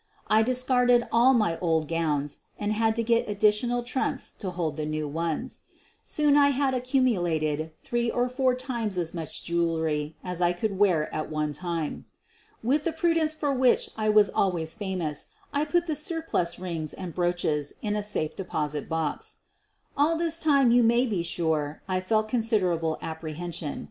I discarded all my old gowns and had to get addi tional trunks to hold the new ones. Soon I had ac cumulated three or four times as much jewelry as I could wear at one time. With the prudence for which I was always famous, I put the surplus rings and brooches in a safe deposit box. All this time you may be sure I felt considerable apprehension.